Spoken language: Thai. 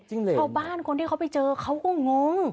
ชาวบ้านคนที่เขาไปเจอเขาก็งง